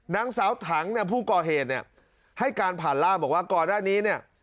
นางสาวถังเนี่ยผู้ก่อเหตุเนี่ยให้การผ่านร่ามบอกว่าก่อนหน้านี้เนี่ย